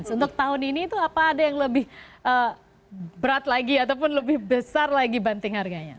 untuk tahun ini itu apa ada yang lebih berat lagi ataupun lebih besar lagi banting harganya